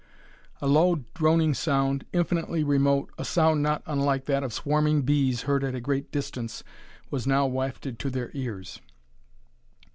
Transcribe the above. A low, droning sound, infinitely remote, a sound not unlike that of swarming bees heard at a great distance, was now wafted to their ears.